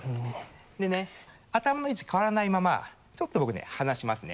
でね頭の位置変わらないままちょっとここで離しますね。